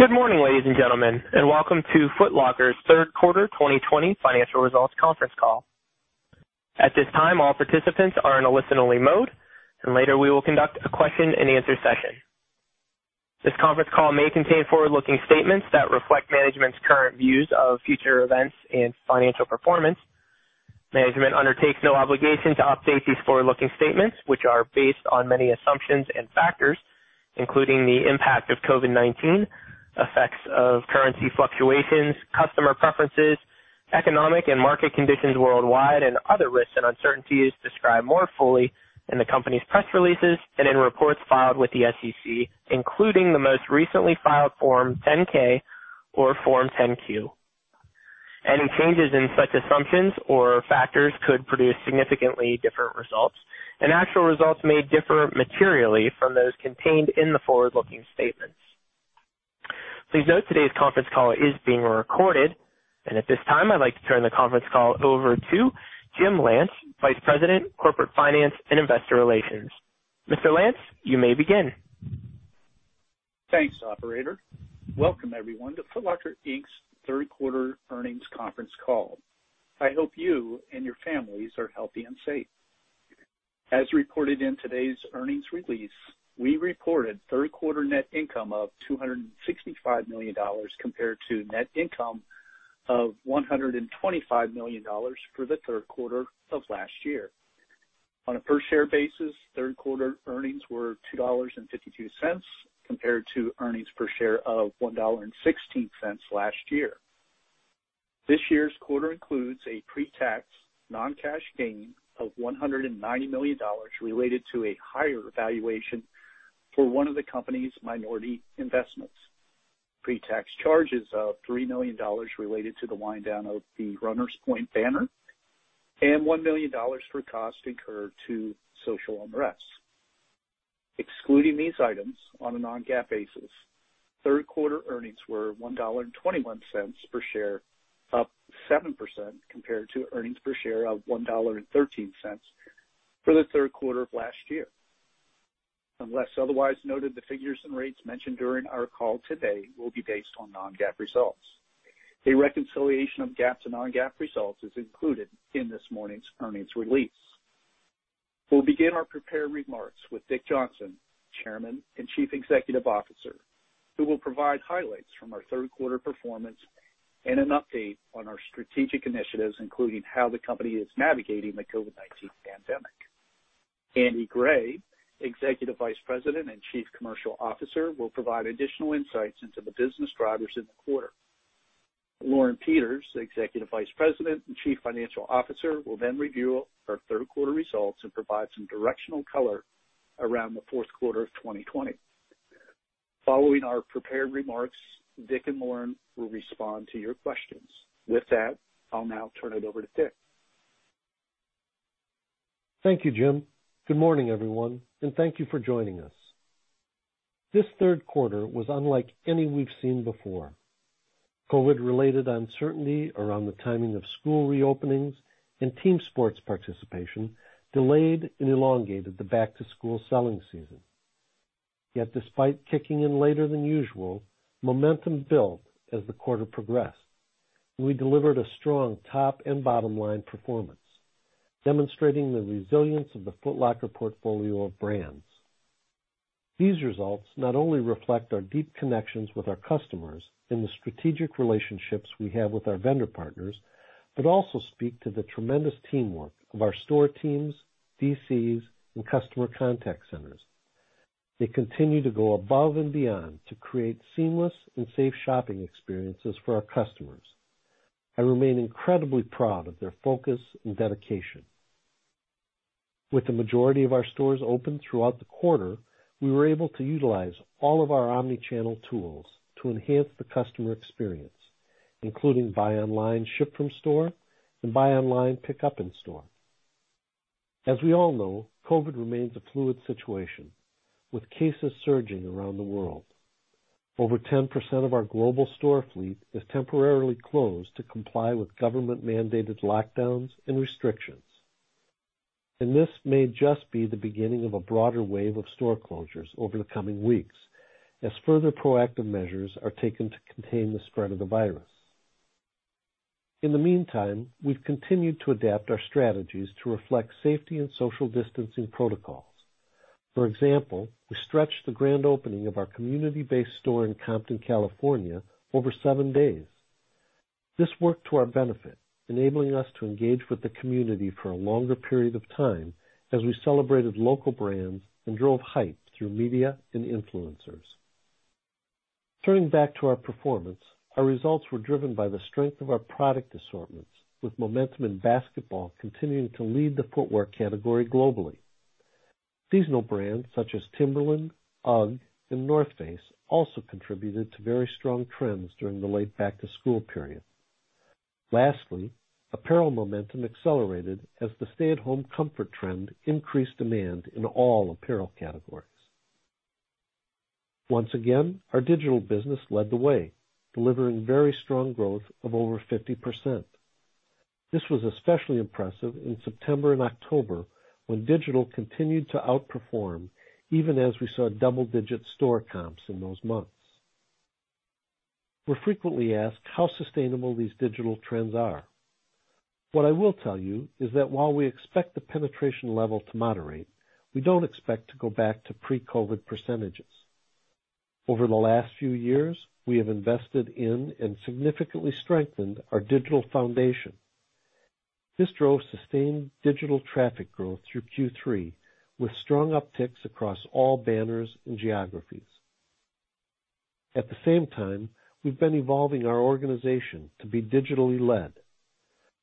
Good morning, ladies and gentlemen, and welcome to Foot Locker's Q3 2020 Financial Results Conference Call. At this time, all participants are in a listen-only mode, and later we will conduct a question and answer session. This conference call may contain forward-looking statements that reflect management's current views of future events and financial performance. Management undertakes no obligation to update these forward-looking statements, which are based on many assumptions and factors, including the impact of COVID-19, effects of currency fluctuations, customer preferences, economic and market conditions worldwide, and other risks and uncertainties described more fully in the company's press releases and in reports filed with the SEC, including the most recently filed Form 10-K or Form 10-Q. Any changes in such assumptions or factors could produce significantly different results, and actual results may differ materially from those contained in the forward-looking statements. Please note today's conference call is being recorded. At this time, I'd like to turn the conference call over to Jim Lance, Vice President, Corporate Finance and Investor Relations. Mr. Lance, you may begin. Thanks, operator. Welcome, everyone, to Foot Locker Inc.'s Q3 Earnings Conference Call. I hope you and your families are healthy and safe. As reported in today's earnings release, we reported Q3 net income of $265 million compared to net income of $125 million for the Q3 of last year. On a per share basis, third quarter earnings were $2.52 compared to earnings per share of $1.16 last year. This year's quarter includes a pre-tax non-cash gain of $190 million related to a higher valuation for one of the company's minority investments, pre-tax charges of $3 million related to the wind down of the Runners Point banner, and $1 million for cost incurred to social unrest. Excluding these items, on a non-GAAP basis, Q3 earnings were $1.21 per share, up 7% compared to earnings per share of $1.13 for the Q3 of last year. Unless otherwise noted, the figures and rates mentioned during our call today will be based on non-GAAP results. A reconciliation of GAAP to non-GAAP results is included in this morning's earnings release. We'll begin our prepared remarks with Dick Johnson, Chairman and Chief Executive Officer, who will provide highlights from our third quarter performance and an update on our strategic initiatives, including how the company is navigating the COVID-19 pandemic. Andy Gray, Executive Vice President and Chief Commercial Officer, will provide additional insights into the business drivers in the quarter. Lauren Peters, Executive Vice President and Chief Financial Officer, will then review our Q3 results and provide some directional color around the Q4 of 2020. Following our prepared remarks, Dick and Lauren will respond to your questions. With that, I'll now turn it over to Dick. Thank you, Jim. Good morning, everyone, thank you for joining us. This Q3 was unlike any we've seen before. COVID-related uncertainty around the timing of school reopenings and team sports participation delayed and elongated the back-to-school selling season. Despite kicking in later than usual, momentum built as the quarter progressed, and we delivered a strong top and bottom line performance, demonstrating the resilience of the Foot Locker portfolio of brands. These results not only reflect our deep connections with our customers and the strategic relationships we have with our vendor partners, but also speak to the tremendous teamwork of our store teams, DCs, and customer contact centers. They continue to go above and beyond to create seamless and safe shopping experiences for our customers. I remain incredibly proud of their focus and dedication. With the majority of our stores open throughout the quarter, we were able to utilize all of our omni-channel tools to enhance the customer experience, including buy online, ship from store, and buy online, pickup in store. As we all know, COVID-19 remains a fluid situation, with cases surging around the world. Over 10% of our global store fleet is temporarily closed to comply with government-mandated lockdowns and restrictions. This may just be the beginning of a broader wave of store closures over the coming weeks as further proactive measures are taken to contain the spread of the virus. In the meantime, we've continued to adapt our strategies to reflect safety and social distancing protocols. For example, we stretched the grand opening of our community-based store in Compton, California, over seven days. This worked to our benefit, enabling us to engage with the community for a longer period of time as we celebrated local brands and drove hype through media and influencers. Turning back to our performance, our results were driven by the strength of our product assortments, with momentum in basketball continuing to lead the footwear category globally. Seasonal brands such as Timberland, UGG, and The North Face also contributed to very strong trends during the late back-to-school period. Lastly, apparel momentum accelerated as the stay-at-home comfort trend increased demand in all apparel categories. Once again, our digital business led the way, delivering very strong growth of over 50%. This was especially impressive in September and October, when digital continued to outperform, even as we saw double-digit store comps in those months. We're frequently asked how sustainable these digital trends are. What I will tell you is that while we expect the penetration level to moderate, we don't expect to go back to pre-COVID percentages. Over the last few years, we have invested in and significantly strengthened our digital foundation. This drove sustained digital traffic growth through Q3, with strong upticks across all banners and geographies. At the same time, we've been evolving our organization to be digitally led.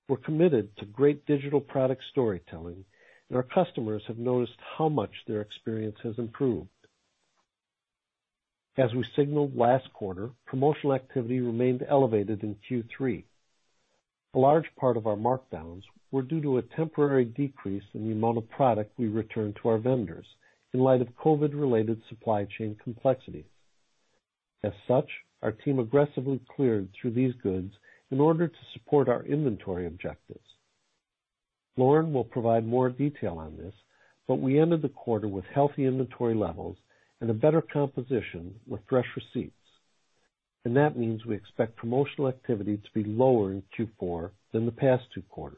We're committed to great digital product storytelling, and our customers have noticed how much their experience has improved. As we signaled last quarter, promotional activity remained elevated in Q3. A large part of our markdowns were due to a temporary decrease in the amount of product we returned to our vendors in light of COVID-related supply chain complexities. As such, our team aggressively cleared through these goods in order to support our inventory objectives. Lauren will provide more detail on this, but we ended the quarter with healthy inventory levels and a better composition with fresh receipts. That means we expect promotional activity to be lower in Q4 than the past two quarters.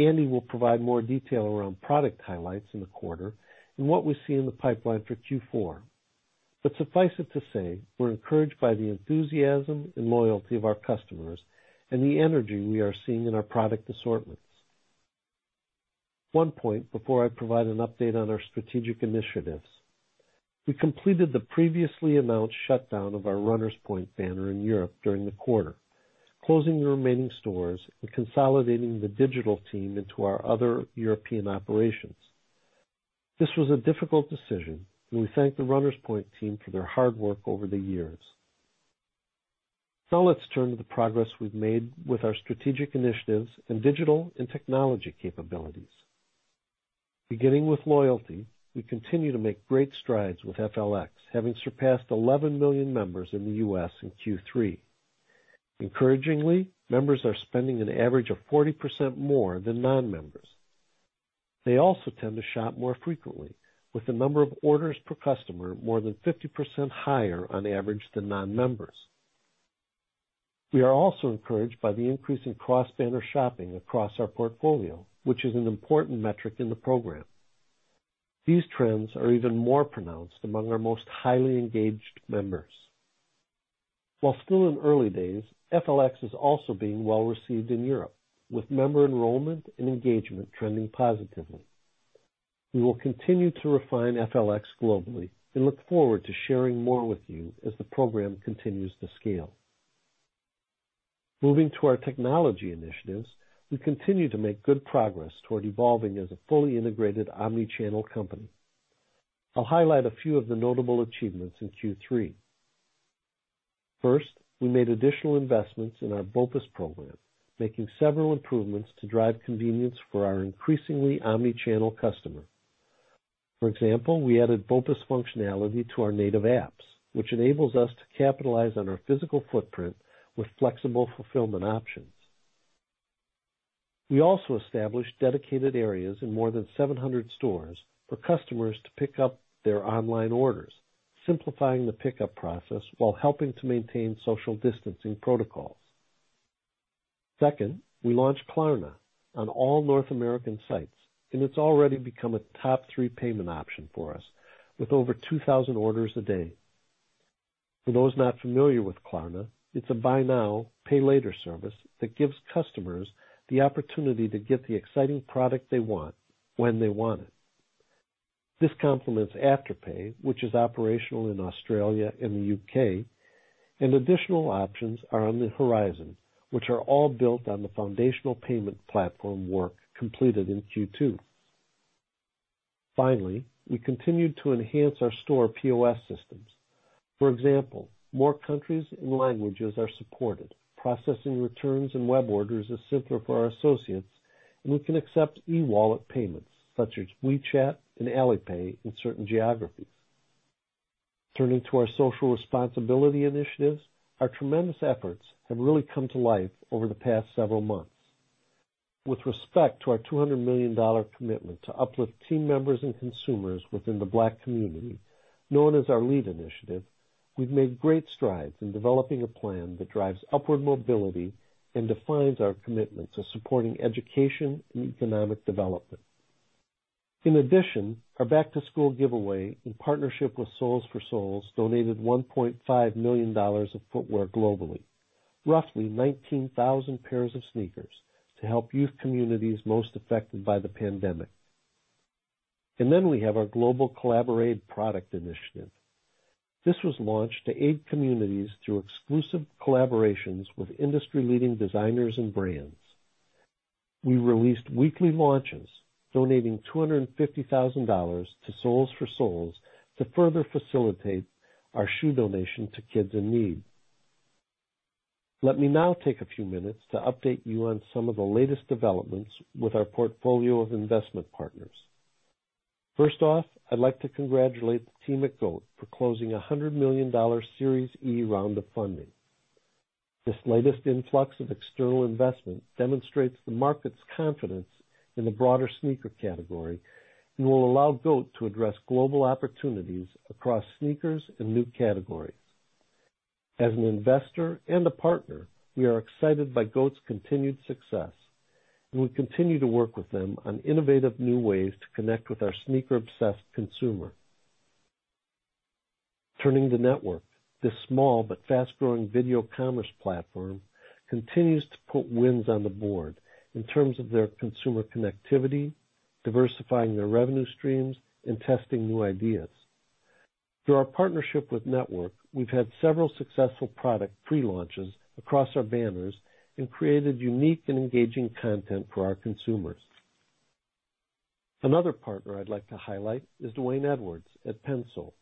Andy will provide more detail around product highlights in the quarter and what we see in the pipeline for Q4. Suffice it to say, we're encouraged by the enthusiasm and loyalty of our customers and the energy we are seeing in our product assortments. One point before I provide an update on our strategic initiatives. We completed the previously announced shutdown of our Runners Point banner in Europe during the quarter, closing the remaining stores and consolidating the digital team into our other European operations. This was a difficult decision, and we thank the Runners Point team for their hard work over the years. Let's turn to the progress we've made with our strategic initiatives in digital and technology capabilities. Beginning with loyalty, we continue to make great strides with FLX, having surpassed 11 million members in the U.S. in Q3. Encouragingly, members are spending an average of 40% more than non-members. They also tend to shop more frequently, with the number of orders per customer more than 50% higher on average than non-members. We are also encouraged by the increase in cross-banner shopping across our portfolio, which is an important metric in the program. These trends are even more pronounced among our most highly engaged members. While still in early days, FLX is also being well-received in Europe, with member enrollment and engagement trending positively. We will continue to refine FLX globally and look forward to sharing more with you as the program continues to scale. Moving to our technology initiatives, we continue to make good progress toward evolving as a fully integrated omni-channel company. I’ll highlight a few of the notable achievements in Q3. First, we made additional investments in our BOPUS program, making several improvements to drive convenience for our increasingly omni-channel customer. For example, we added BOPUS functionality to our native apps, which enables us to capitalize on our physical footprint with flexible fulfillment options. We also established dedicated areas in more than 700 stores for customers to pick up their online orders, simplifying the pickup process while helping to maintain social distancing protocols. Second, we launched Klarna on all North American sites, and it’s already become a top-three payment option for us, with over 2,000 orders a day. For those not familiar with Klarna, it’s a buy now, pay later service that gives customers the opportunity to get the exciting product they want, when they want it. This complements Afterpay, which is operational in Australia and the U.K., and additional options are on the horizon, which are all built on the foundational payment platform work completed in Q2. Finally, we continued to enhance our store POS systems. For example, more countries and languages are supported. Processing returns and web orders is simpler for our associates, and we can accept e-wallet payments such as WeChat and Alipay in certain geographies. Turning to our social responsibility initiatives, our tremendous efforts have really come to life over the past several months. With respect to our $200 million commitment to uplift team members and consumers within the Black community, known as our LEAD initiative, we've made great strides in developing a plan that drives upward mobility and defines our commitment to supporting education and economic development. In addition, our back-to-school giveaway in partnership with Soles4Souls donated $1.5 million of footwear globally, roughly 19,000 pairs of sneakers to help youth communities most affected by the pandemic. We have our global Collaboraid product initiative. This was launched to aid communities through exclusive collaborations with industry-leading designers and brands. We released weekly launches donating $250,000 to Soles4Souls to further facilitate our shoe donation to kids in need. Let me now take a few minutes to update you on some of the latest developments with our portfolio of investment partners. First off, I'd like to congratulate the team at GOAT for closing a $100 million Series E round of funding. This latest influx of external investment demonstrates the market's confidence in the broader sneaker category and will allow GOAT to address global opportunities across sneakers and new categories. As an investor and a partner, we are excited by GOAT's continued success, and we continue to work with them on innovative new ways to connect with our sneaker-obsessed consumer. Turning to NTWRK. This small but fast-growing video commerce platform continues to put wins on the board in terms of their consumer connectivity, diversifying their revenue streams, and testing new ideas. Through our partnership with NTWRK, we've had several successful product pre-launches across our banners and created unique and engaging content for our consumers. Another partner I'd like to highlight is D'Wayne Edwards at PENSOLE.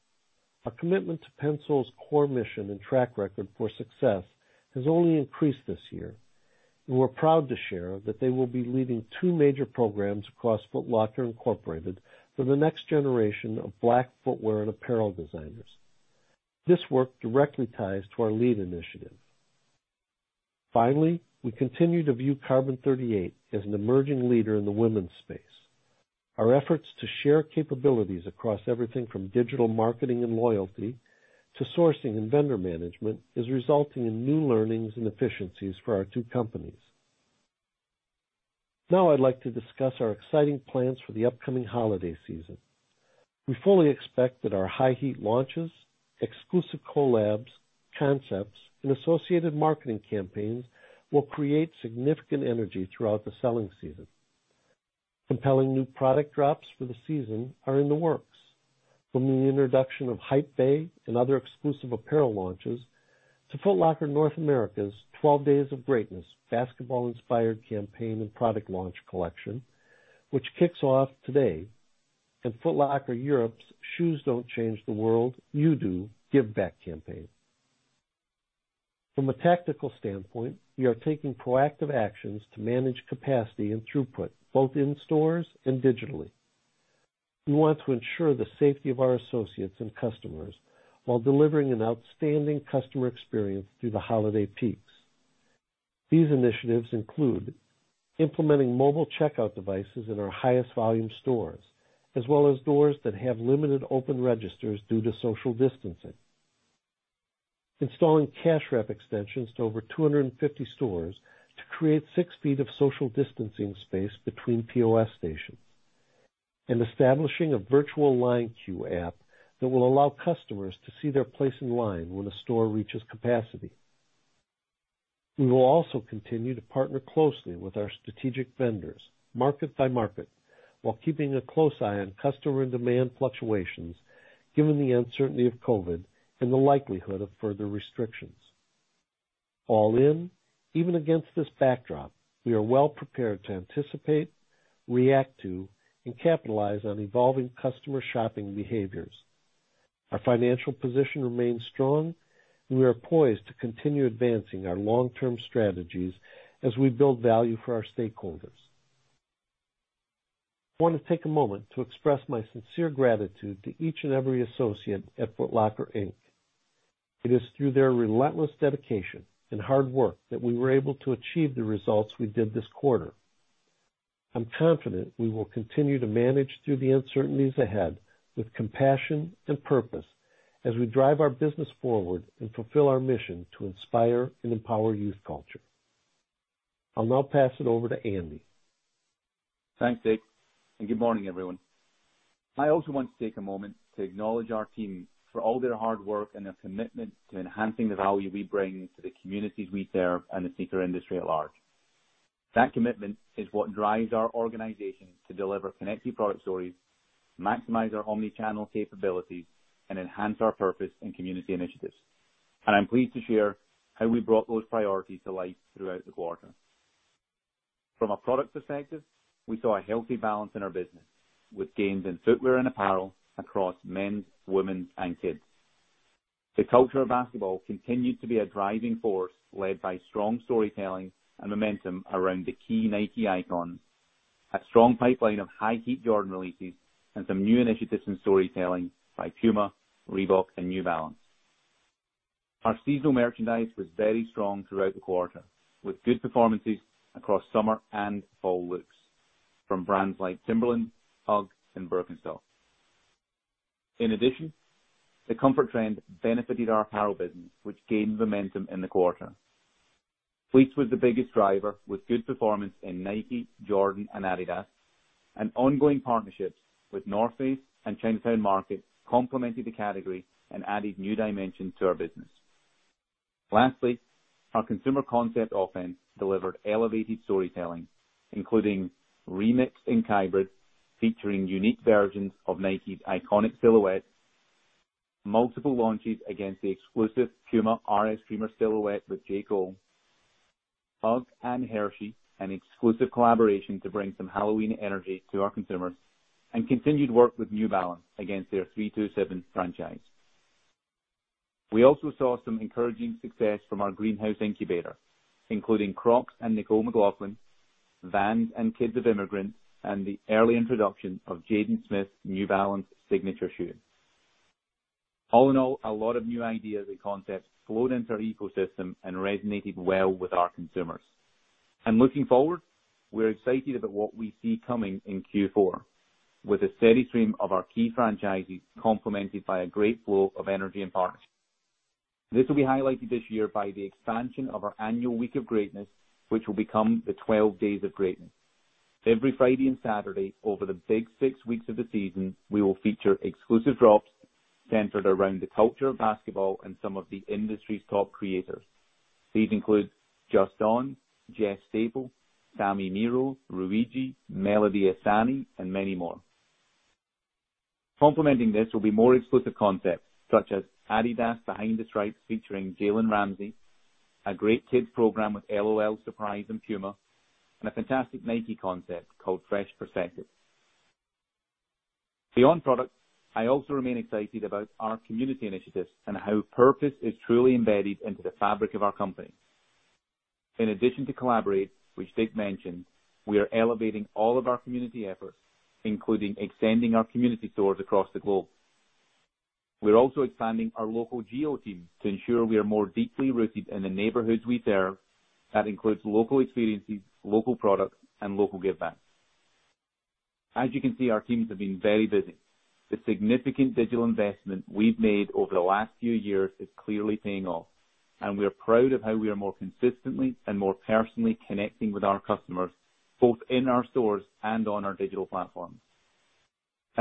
Our commitment to PENSOLE's core mission and track record for success has only increased this year, and we're proud to share that they will be leading two major programs across Foot Locker, Inc. for the next generation of Black footwear and apparel designers. This work directly ties to our LEAD initiative. Finally, we continue to view Carbon38 as an emerging leader in the women's space. Our efforts to share capabilities across everything from digital marketing and loyalty to sourcing and vendor management is resulting in new learnings and efficiencies for our two companies. Now I'd like to discuss our exciting plans for the upcoming holiday season. We fully expect that our high heat launches, exclusive collabs, concepts, and associated marketing campaigns will create significant energy throughout the selling season. Compelling new product drops for the season are in the works, from the introduction of Hypebeast and other exclusive apparel launches to Foot Locker North America's 12 Days of Greatness basketball-inspired campaign and product launch collection, which kicks off today, and Foot Locker Europe's Shoes Don't Change the World, You Do give back campaign. From a tactical standpoint, we are taking proactive actions to manage capacity and throughput, both in stores and digitally. We want to ensure the safety of our associates and customers while delivering an outstanding customer experience through the holiday peaks. These initiatives include implementing mobile checkout devices in our highest volume stores, as well as stores that have limited open registers due to social distancing. Installing cash wrap extensions to over 250 stores to create six feet of social distancing space between POS stations, and establishing a virtual line queue app that will allow customers to see their place in line when a store reaches capacity. We will also continue to partner closely with our strategic vendors, market by market, while keeping a close eye on customer and demand fluctuations, given the uncertainty of COVID and the likelihood of further restrictions. All in, even against this backdrop, we are well prepared to anticipate, react to, and capitalize on evolving customer shopping behaviors. Our financial position remains strong, and we are poised to continue advancing our long-term strategies as we build value for our stakeholders. I want to take a moment to express my sincere gratitude to each and every associate at Foot Locker, Inc. It is through their relentless dedication and hard work that we were able to achieve the results we did this quarter. I'm confident we will continue to manage through the uncertainties ahead with compassion and purpose as we drive our business forward and fulfill our mission to inspire and empower youth culture. I'll now pass it over to Andy. Thanks, Dick, good morning, everyone. I also want to take a moment to acknowledge our teams for all their hard work and their commitment to enhancing the value we bring to the communities we serve and the sneaker industry at large. That commitment is what drives our organization to deliver connected product stories, maximize our omni-channel capabilities, and enhance our purpose and community initiatives. I'm pleased to share how we brought those priorities to life throughout the quarter. From a product perspective, we saw a healthy balance in our business with gains in footwear and apparel across men's, women's, and kids. The culture of basketball continued to be a driving force, led by strong storytelling and momentum around the key Nike icons, a strong pipeline of high heat Jordan releases, and some new initiatives in storytelling by Puma, Reebok, and New Balance. Our seasonal merchandise was very strong throughout the quarter, with good performances across summer and fall looks from brands like Timberland, UGG, and Birkenstock. In addition, the comfort trend benefited our apparel business, which gained momentum in the quarter. Fleece was the biggest driver with good performance in Nike, Jordan, and Adidas, and ongoing partnerships with The North Face and MARKET complemented the category and added new dimension to our business. Lastly, our consumer concept offense delivered elevated storytelling, including remixed and hybrids featuring unique versions of Nike's iconic silhouettes, multiple launches against the exclusive Puma RS-Dreamer silhouette with J. Cole, UGG and Hershey, an exclusive collaboration to bring some Halloween energy to our consumers, and continued work with New Balance against their 327 franchise. We also saw some encouraging success from our greenhouse incubator, including Crocs and Nicole McLaughlin, Vans and Kids of Immigrants, and the early introduction of Jaden Smith's New Balance signature shoe. All in all, a lot of new ideas and concepts flowed into our ecosystem and resonated well with our consumers. Looking forward, we're excited about what we see coming in Q4 with a steady stream of our key franchises complemented by a great flow of energy and partnership. This will be highlighted this year by the expansion of our annual Week of Greatness, which will become the 12 Days of Greatness. Every Friday and Saturday over the big six weeks of the season, we will feature exclusive drops centered around the culture of basketball and some of the industry's top creators. These include Just Don, Jeff Staple, Sami Miró, Rhuigi, Melody Ehsani, and many more. Complementing this will be more exclusive concepts such as Adidas Behind the Stripes featuring Jalen Ramsey, a great kids program with L.O.L. Surprise! and Puma, and a fantastic Nike concept called Fresh Perspectives. Beyond product, I also remain excited about our community initiatives and how purpose is truly embedded into the fabric of our company. In addition to Collaboraid, which Dick mentioned, we are elevating all of our community efforts, including extending our community stores across the globe. We are also expanding our local geo team to ensure we are more deeply rooted in the neighborhoods we serve. That includes local experiences, local products, and local give back. As you can see, our teams have been very busy. The significant digital investment we've made over the last few years is clearly paying off, and we are proud of how we are more consistently and more personally connecting with our customers, both in our stores and on our digital platforms.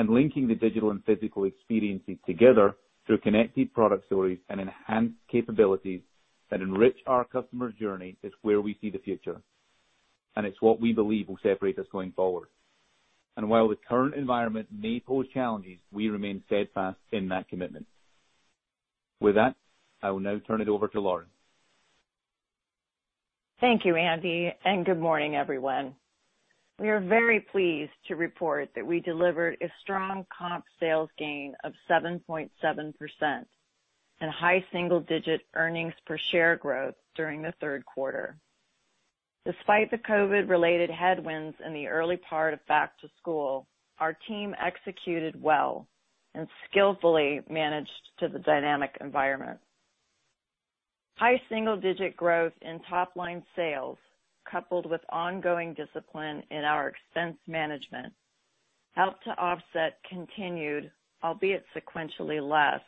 Linking the digital and physical experiences together through connected product stories and enhanced capabilities that enrich our customers' journey is where we see the future. It's what we believe will separate us going forward. While the current environment may pose challenges, we remain steadfast in that commitment. With that, I will now turn it over to Lauren. Thank you, Andy. Good morning, everyone. We are very pleased to report that we delivered a strong comp sales gain of 7.7% and high single-digit earnings per share growth during the third quarter. Despite the COVID-related headwinds in the early part of back to school, our team executed well and skillfully managed to the dynamic environment. High single-digit growth in top-line sales, coupled with ongoing discipline in our expense management, helped to offset continued, albeit sequentially less,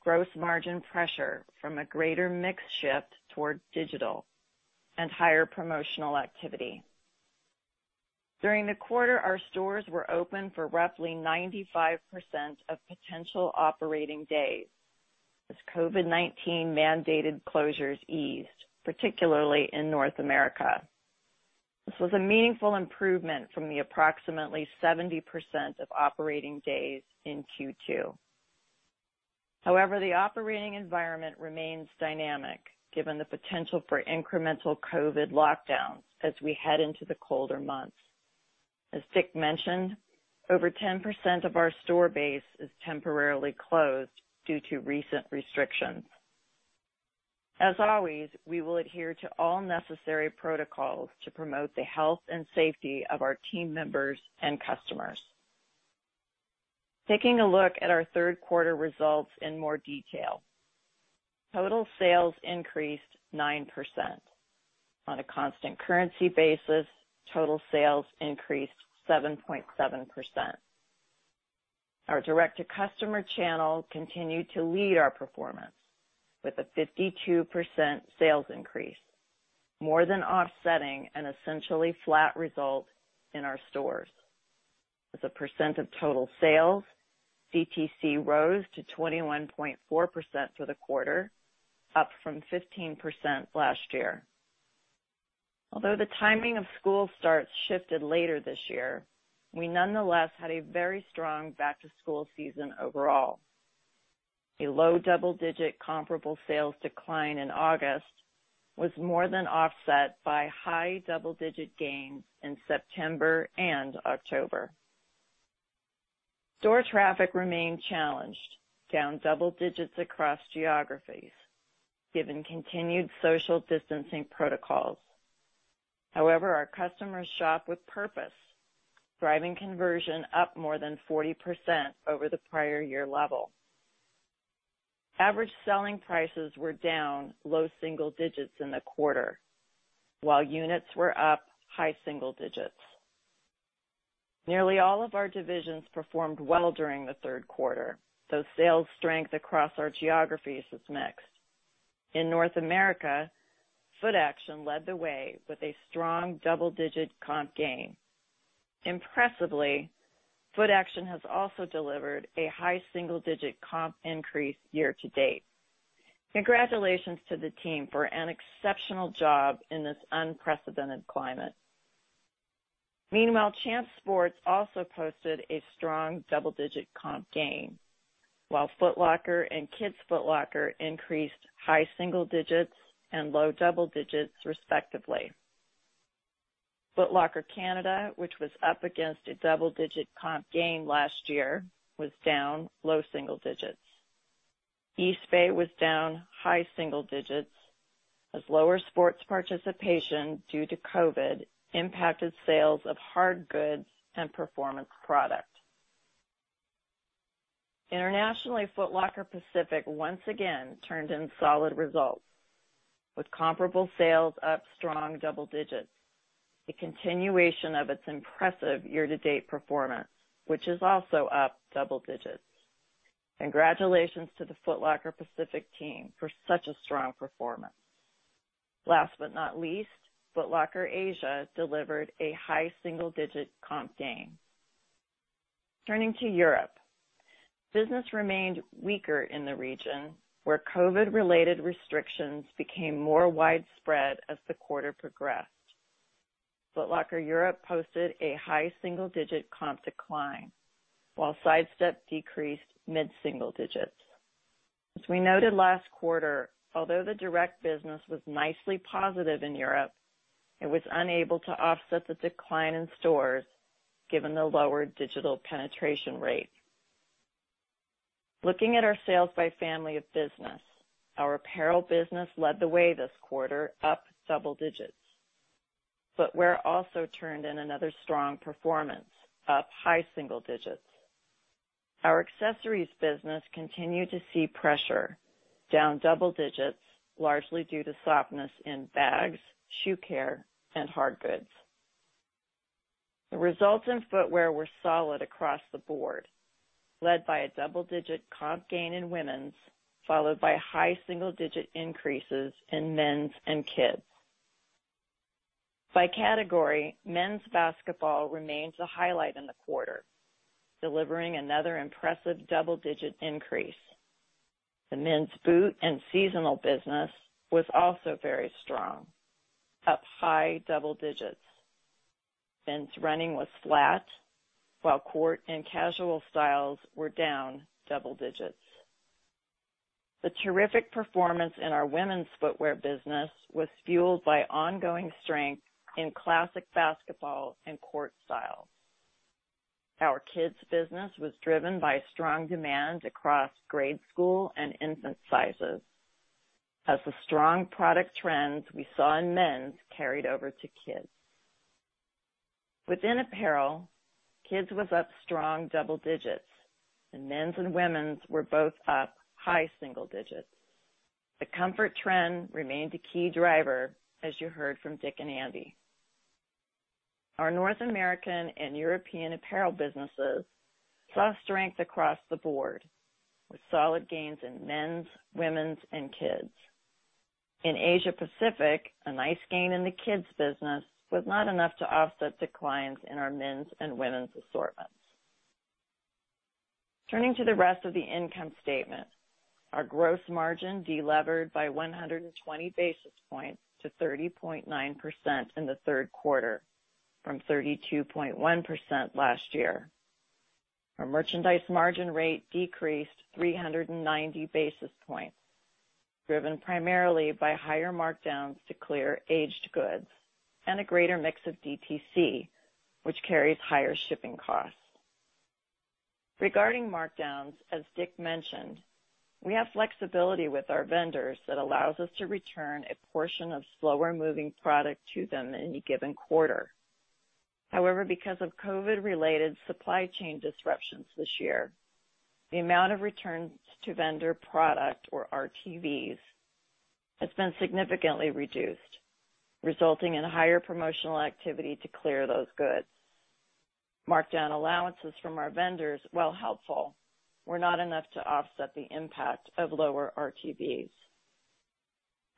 gross margin pressure from a greater mix shift towards digital and higher promotional activity. During the quarter, our stores were open for roughly 95% of potential operating days as COVID-19 mandated closures eased, particularly in North America. This was a meaningful improvement from the approximately 70% of operating days in Q2. The operating environment remains dynamic given the potential for incremental COVID lockdowns as we head into the colder months. Dick mentioned, over 10% of our store base is temporarily closed due to recent restrictions. Always, we will adhere to all necessary protocols to promote the health and safety of our team members and customers. Taking a look at our third quarter results in more detail. Total sales increased 9%. On a constant currency basis, total sales increased 7.7%. Our direct-to-customer channel continued to lead our performance with a 52% sales increase, more than offsetting an essentially flat result in our stores. A percent of total sales, DTC rose to 21.4% for the quarter, up from 15% last year. The timing of school starts shifted later this year, we nonetheless had a very strong back-to-school season overall. A low double-digit comparable sales decline in August was more than offset by high double-digit gains in September and October. Store traffic remained challenged, down double digits across geographies given continued social distancing protocols. However, our customers shop with purpose, driving conversion up more than 40% over the prior year level. Average selling prices were down low single digits in the quarter, while units were up high single digits. Nearly all of our divisions performed well during the third quarter, though sales strength across our geographies is mixed. In North America, Footaction led the way with a strong double-digit comp gain. Impressively, Footaction has also delivered a high single-digit comp increase year to date. Congratulations to the team for an exceptional job in this unprecedented climate. Meanwhile, Champs Sports also posted a strong double-digit comp gain, while Foot Locker and Kids Foot Locker increased high single digits and low double digits, respectively. Foot Locker Canada, which was up against a double-digit comp gain last year, was down low single digits. Eastbay was down high single digits as lower sports participation due to COVID-19 impacted sales of hard goods and performance product. Internationally, Foot Locker Pacific once again turned in solid results with comparable sales up strong double digits, a continuation of its impressive year-to-date performance, which is also up double digits. Congratulations to the Foot Locker Pacific team for such a strong performance. Last but not least, Foot Locker Asia delivered a high single-digit comp gain. Turning to Europe, business remained weaker in the region, where COVID-19-related restrictions became more widespread as the quarter progressed. Foot Locker Europe posted a high single-digit comp decline, while Sidestep decreased mid-single digits. As we noted last quarter, although the direct business was nicely positive in Europe, it was unable to offset the decline in stores given the lower digital penetration rate. Looking at our sales by family of business, our apparel business led the way this quarter, up double digits. Footwear also turned in another strong performance, up high single digits. Our accessories business continued to see pressure, down double digits, largely due to softness in bags, shoe care, and hard goods. The results in footwear were solid across the board, led by a double-digit comp gain in women's, followed by high single-digit increases in men's and kids. By category, men's basketball remains a highlight in the quarter, delivering another impressive double-digit increase. The men's boot and seasonal business was also very strong, up high double digits. Men's running was flat, while court and casual styles were down double digits. The terrific performance in our women's footwear business was fueled by ongoing strength in classic basketball and court style. Our kids business was driven by strong demand across grade school and infant sizes as the strong product trends we saw in men's carried over to kids. Within apparel, kids was up strong double digits, and men's and women's were both up high single digits. The comfort trend remained a key driver, as you heard from Dick and Andy. Our North American and European apparel businesses saw strength across the board, with solid gains in men's, women's, and kids. In Asia Pacific, a nice gain in the kids business was not enough to offset declines in our men's and women's assortments. Turning to the rest of the income statement, our gross margin delevered by 120 basis points to 30.9% in the third quarter from 32.1% last year. Our merchandise margin rate decreased 390 basis points, driven primarily by higher markdowns to clear aged goods and a greater mix of DTC, which carries higher shipping costs. Regarding markdowns, as Dick mentioned, we have flexibility with our vendors that allows us to return a portion of slower-moving product to them in any given quarter. However, because of COVID-related supply chain disruptions this year, the amount of returns to vendor product, or RTVs, has been significantly reduced, resulting in higher promotional activity to clear those goods. Markdown allowances from our vendors, while helpful, were not enough to offset the impact of lower RTVs.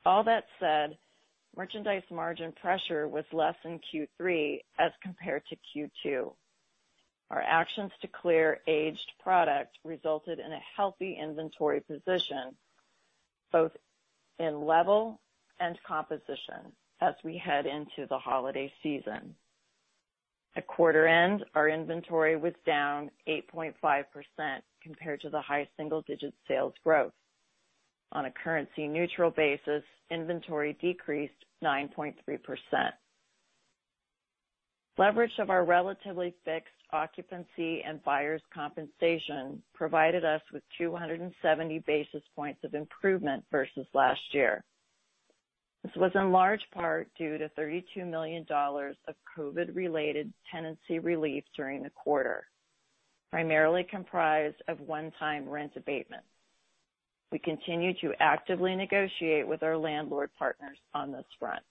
All that said, merchandise margin pressure was less in Q3 as compared to Q2. Our actions to clear aged product resulted in a healthy inventory position, both in level and composition as we head into the holiday season. At quarter end, our inventory was down 8.5% compared to the high single-digit sales growth. On a currency-neutral basis, inventory decreased 9.3%. Leverage of our relatively fixed occupancy and buyers' compensation provided us with 270 basis points of improvement versus last year. This was in large part due to $32 million of COVID-related tenancy relief during the quarter, primarily comprised of one-time rent abatement. We continue to actively negotiate with our landlord partners on this front.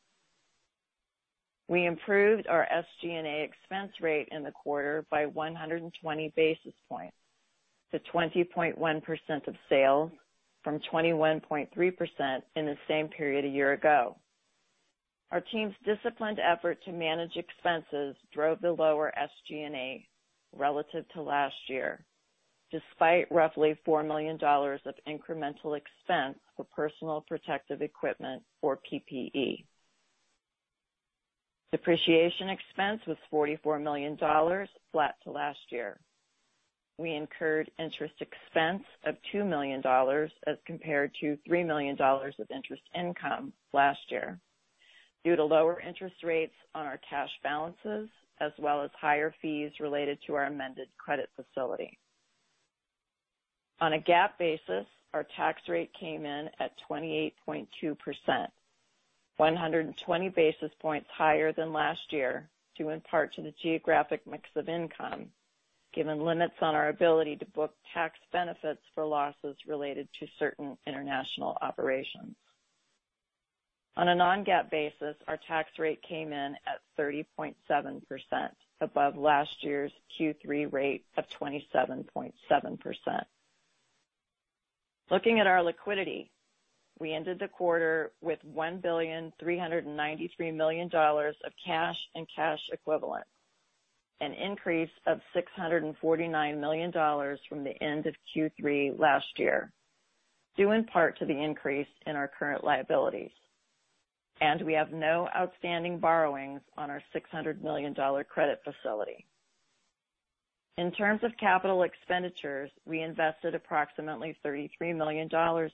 We improved our SG&A expense rate in the quarter by 120 basis points to 20.1% of sales from 21.3% in the same period a year ago. Our team's disciplined effort to manage expenses drove the lower SG&A relative to last year, despite roughly $4 million of incremental expense for personal protective equipment or PPE. Depreciation expense was $44 million, flat to last year. We incurred interest expense of $2 million as compared to $3 million of interest income last year due to lower interest rates on our cash balances as well as higher fees related to our amended credit facility. On a GAAP basis, our tax rate came in at 28.2%, 120 basis points higher than last year, due in part to the geographic mix of income, given limits on our ability to book tax benefits for losses related to certain international operations. On a non-GAAP basis, our tax rate came in at 30.7%, above last year's Q3 rate of 27.7%. Looking at our liquidity, we ended the quarter with $1.393 billion of cash and cash equivalents, an increase of $649 million from the end of Q3 last year, due in part to the increase in our current liabilities. We have no outstanding borrowings on our $600 million credit facility. In terms of capital expenditures, we invested approximately $33 million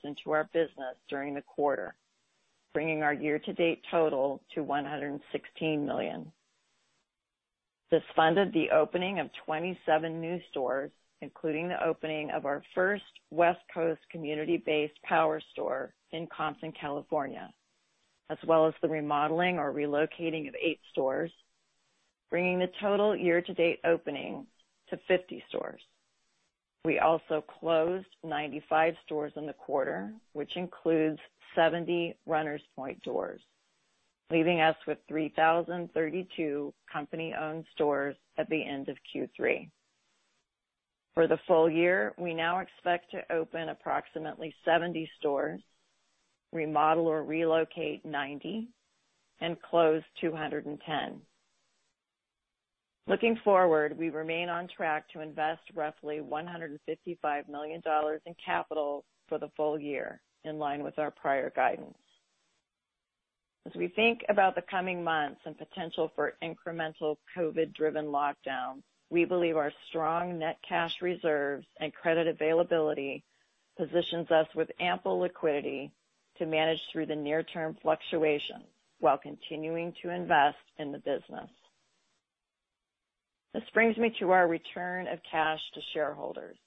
into our business during the quarter, bringing our year-to-date total to $116 million. This funded the opening of 27 new stores, including the opening of our first West Coast community-based power store in Compton, California, as well as the remodeling or relocating of eight stores, bringing the total year-to-date opening to 50 stores. We also closed 95 stores in the quarter, which includes 70 Runners Point doors, leaving us with 3,032 company-owned stores at the end of Q3. For the full year, we now expect to open approximately 70 stores, remodel or relocate 90, and close 210. Looking forward, we remain on track to invest roughly $155 million in capital for the full year, in line with our prior guidance. As we think about the coming months and potential for incremental COVID-driven lockdowns, we believe our strong net cash reserves and credit availability positions us with ample liquidity to manage through the near-term fluctuations while continuing to invest in the business. This brings me to our return of cash to shareholders.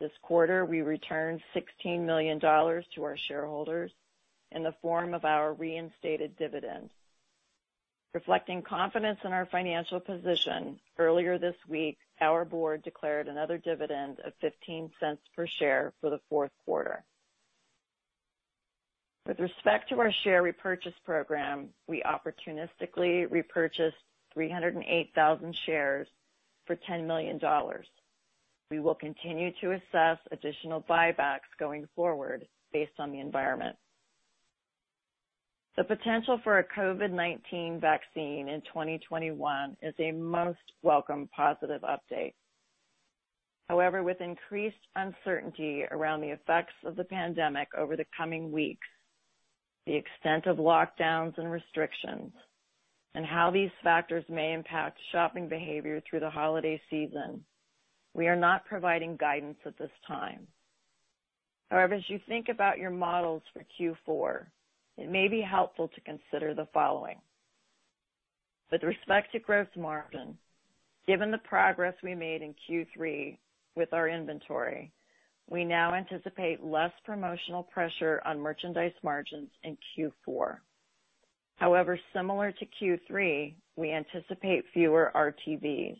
This quarter, we returned $16 million to our shareholders in the form of our reinstated dividends. Reflecting confidence in our financial position, earlier this week, our board declared another dividend of $0.15 per share for the fourth quarter. With respect to our share repurchase program, we opportunistically repurchased 308,000 shares for $10 million. We will continue to assess additional buybacks going forward based on the environment. The potential for a COVID-19 vaccine in 2021 is a most welcome positive update. With increased uncertainty around the effects of the pandemic over the coming weeks, the extent of lockdowns and restrictions, and how these factors may impact shopping behavior through the holiday season, we are not providing guidance at this time. As you think about your models for Q4, it may be helpful to consider the following. With respect to gross margin, given the progress we made in Q3 with our inventory, we now anticipate less promotional pressure on merchandise margins in Q4. Similar to Q3, we anticipate fewer RTVs,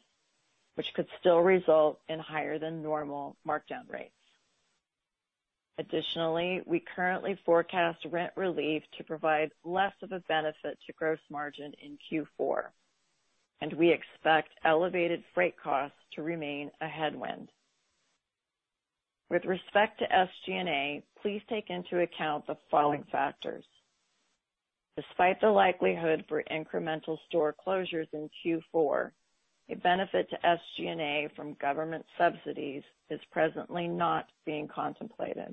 which could still result in higher than normal markdown rates. We currently forecast rent relief to provide less of a benefit to gross margin in Q4, and we expect elevated freight costs to remain a headwind. With respect to SG&A, please take into account the following factors. Despite the likelihood for incremental store closures in Q4, a benefit to SG&A from government subsidies is presently not being contemplated.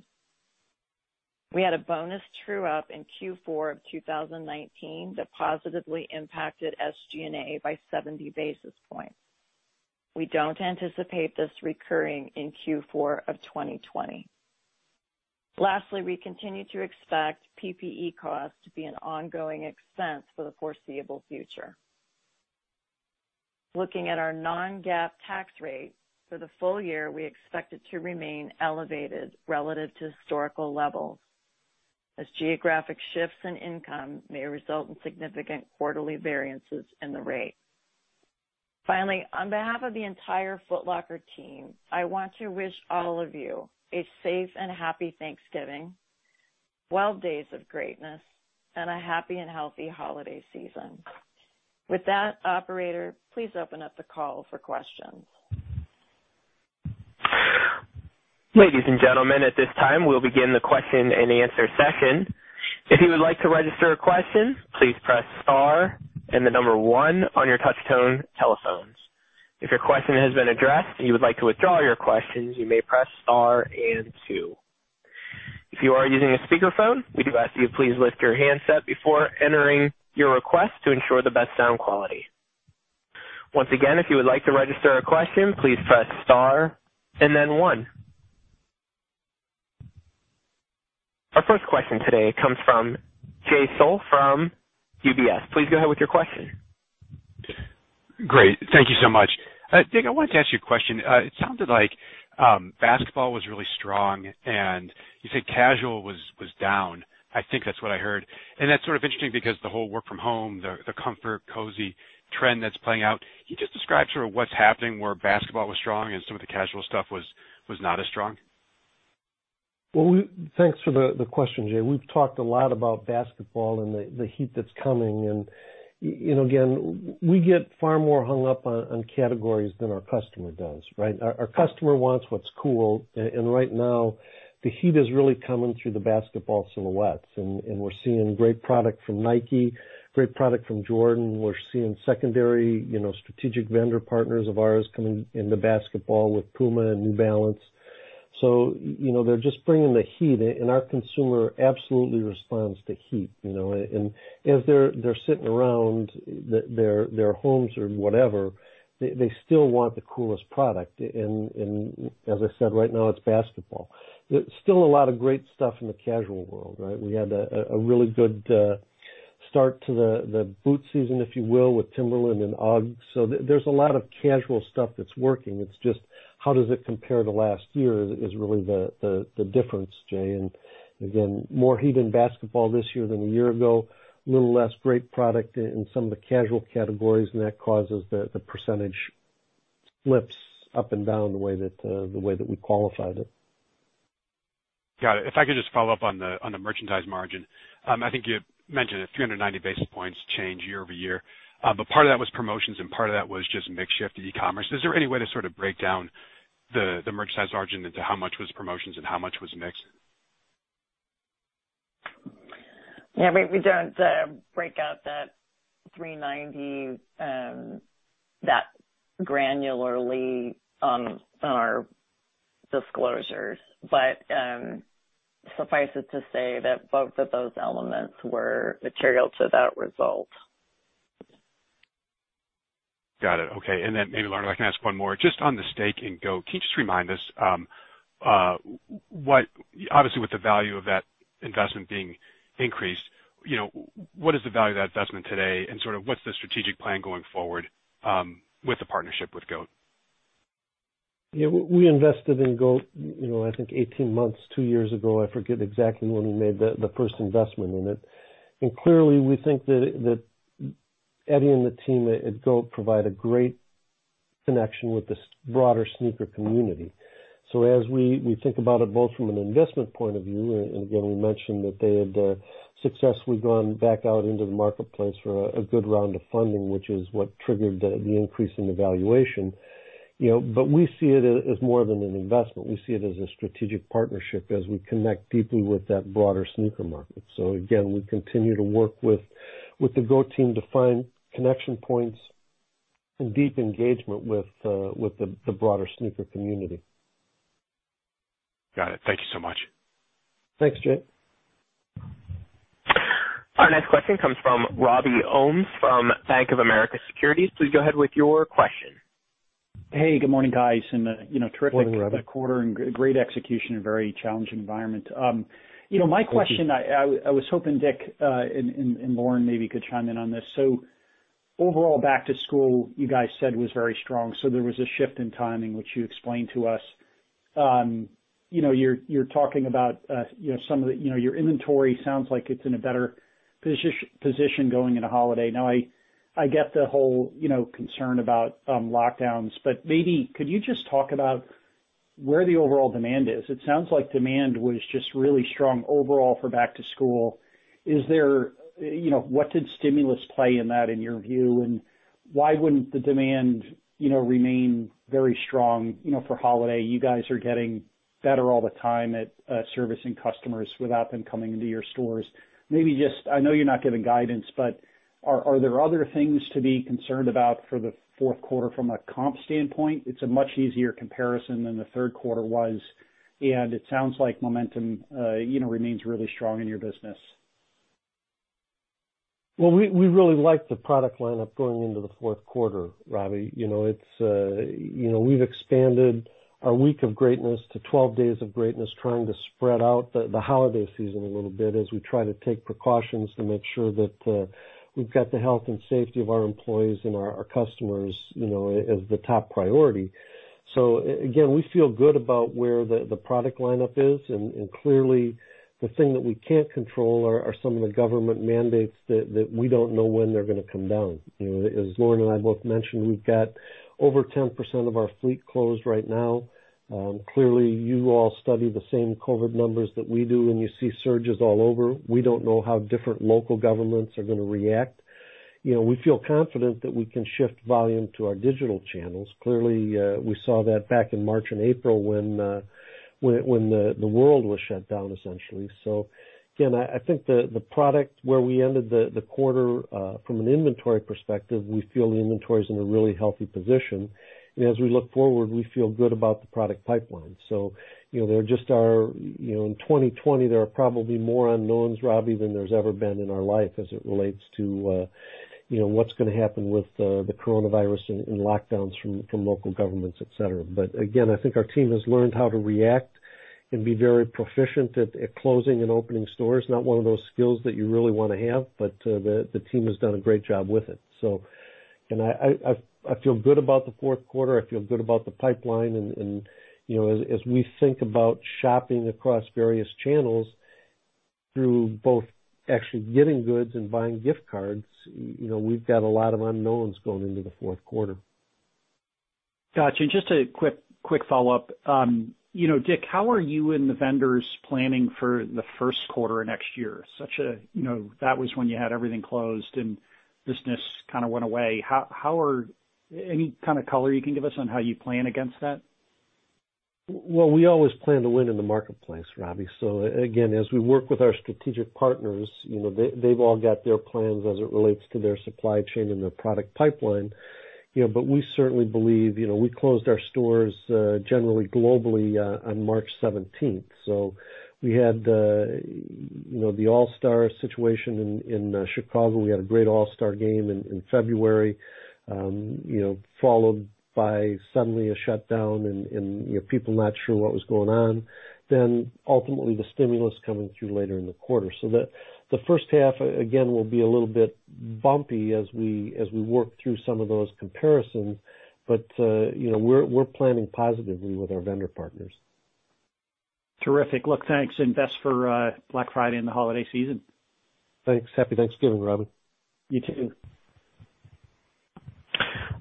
We had a bonus true-up in Q4 of 2019 that positively impacted SG&A by 70 basis points. We don't anticipate this recurring in Q4 of 2020. We continue to expect PPE costs to be an ongoing expense for the foreseeable future. Looking at our non-GAAP tax rate for the full year, we expect it to remain elevated relative to historical levels, as geographic shifts in income may result in significant quarterly variances in the rate. Finally, on behalf of the entire Foot Locker team, I want to wish all of you a safe and happy Thanksgiving, 12 Days of Greatness, and a happy and healthy holiday season. With that, operator, please open up the call for questions. Our first question today comes from Jay Sole from UBS. Please go ahead with your question. Great. Thank you so much. Dick, I wanted to ask you a question. It sounded like basketball was really strong, and you said casual was down. I think that's what I heard, and that's sort of interesting because the whole work from home, the comfort, cozy trend that's playing out. Can you just describe sort of what's happening where basketball was strong and some of the casual stuff was not as strong? Well, thanks for the question, Jay. We've talked a lot about basketball and the heat that's coming. Again, we get far more hung up on categories than our customer does, right? Our customer wants what's cool. Right now, the heat is really coming through the basketball silhouettes. We're seeing great product from Nike, great product from Jordan. We're seeing secondary strategic vendor partners of ours coming into basketball with Puma and New Balance. They're just bringing the heat. Our consumer absolutely responds to heat. As they're sitting around their homes or whatever, they still want the coolest product. As I said, right now it's basketball. Still a lot of great stuff in the casual world, right? We had a really good start to the boot season, if you will, with Timberland and UGG. There's a lot of casual stuff that's working. It's just how does it compare to last year is really the difference, Jay. Again, more heat in basketball this year than a year ago. A little less great product in some of the casual categories, that causes the percentage flips up and down the way that we qualify it. Got it. If I could just follow up on the merchandise margin. I think you mentioned it, 390 basis points change year-over-year. Part of that was promotions, and part of that was just mix shift to e-commerce. Is there any way to sort of break down the merchandise margin into how much was promotions and how much was mix? Yeah, we don't break out that 390 that granularly on our disclosures. Suffice it to say that both of those elements were material to that result. Got it. Okay. Maybe, Lauren, I can ask one more just on the stake in GOAT. Can you just remind us, obviously, with the value of that investment being increased, what is the value of that investment today, and sort of what is the strategic plan going forward with the partnership with GOAT? Yeah, we invested in GOAT I think 18 months, two years ago. I forget exactly when we made the first investment in it. Clearly, we think that Eddy and the team at GOAT provide a great connection with the broader sneaker community. As we think about it both from an investment point of view, and again, we mentioned that they had successfully gone back out into the marketplace for a good round of funding, which is what triggered the increase in the valuation. We see it as more than an investment. We see it as a strategic partnership as we connect deeply with that broader sneaker market. Again, we continue to work with the GOAT team to find connection points and deep engagement with the broader sneaker community. Got it. Thank you so much. Thanks, Jay. Our next question comes from Robert Ohmes from Bank of America Securities. Please go ahead with your question. Hey, good morning, guys. Morning, Robbie. Terrific quarter and great execution in a very challenging environment. Thank you. My question, I was hoping Dick and Lauren maybe could chime in on this. Overall, back to school, you guys said, was very strong. There was a shift in timing, which you explained to us. You're talking about some of your inventory sounds like it's in a better position going into holiday. I get the whole concern about lockdowns, maybe could you just talk about where the overall demand is? It sounds like demand was just really strong overall for back to school. What did stimulus play in that in your view, why wouldn't the demand remain very strong for holiday? You guys are getting better all the time at servicing customers without them coming into your stores. I know you're not giving guidance, are there other things to be concerned about for the Q4 from a comp standpoint? It's a much easier comparison than the third quarter was. It sounds like momentum remains really strong in your business. Well, we really like the product lineup going into the Q4, Robbie. We've expanded our Week of Greatness to 12 Days of Greatness, trying to spread out the holiday season a little bit as we try to take precautions to make sure that we've got the health and safety of our employees and our customers as the top priority. Again, we feel good about where the product lineup is, and clearly, the thing that we can't control are some of the government mandates that we don't know when they're going to come down. As Lauren and I both mentioned, we've got over 10% of our fleet closed right now. Clearly, you all study the same COVID numbers that we do, and you see surges all over. We don't know how different local governments are going to react. We feel confident that we can shift volume to our digital channels. Clearly, we saw that back in March and April when the world was shut down, essentially. Again, I think the product where we ended the quarter, from an inventory perspective, we feel the inventory is in a really healthy position. As we look forward, we feel good about the product pipeline. In 2020, there are probably more unknowns, Robbie, than there's ever been in our life as it relates to what's going to happen with the coronavirus and lockdowns from local governments, et cetera. Again, I think our team has learned how to react and be very proficient at closing and opening stores. Not one of those skills that you really want to have, but the team has done a great job with it. Again, I feel good about the Q4. I feel good about the pipeline and as we think about shopping across various channels through both actually getting goods and buying gift cards, we've got a lot of unknowns going into the fourth quarter. Got you. Just a quick follow-up. Dick, how are you and the vendors planning for the first quarter next year? That was when you had everything closed and business kind of went away. Any kind of color you can give us on how you plan against that? We always plan to win in the marketplace, Robbie. Again, as we work with our strategic partners, they've all got their plans as it relates to their supply chain and their product pipeline. We certainly believe, we closed our stores generally globally on March 17th. We had the All-Star situation in Chicago. We had a great All-Star game in February, followed by suddenly a shutdown and people not sure what was going on. Ultimately the stimulus coming through later in the quarter. The first half, again, will be a little bit bumpy as we work through some of those comparisons. We're planning positively with our vendor partners. Terrific. Look, thanks, and best for Black Friday and the holiday season. Thanks. Happy Thanksgiving, Robbie. You too.